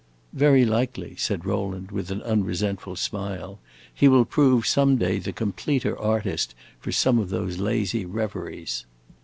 "Very likely," said Rowland, with an unresentful smile, "he will prove some day the completer artist for some of those lazy reveries."